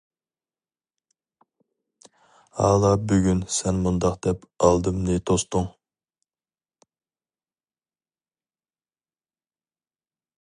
ھالا بۈگۈن سەن مۇنداق دەپ ئالدىمنى توستۇڭ.